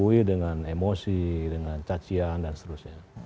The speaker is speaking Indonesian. yang dibumbui dengan emosi dengan cacian dan seterusnya